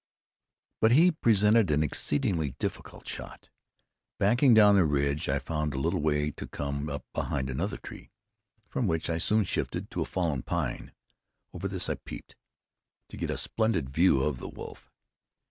But he presented an exceedingly difficult shot. Backing down the ridge, I ran a little way to come up behind another tree, from which I soon shifted to a fallen pine. Over this I peeped, to get a splendid view of the wolf.